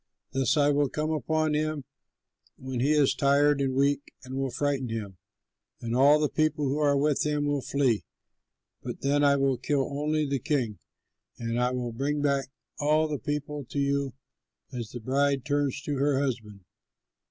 Thus I will come upon him when he is tired and weak and will frighten him, and all the people who are with him will flee. Then I will kill only the king, and I will bring back all the people to you as the bride turns to her husband.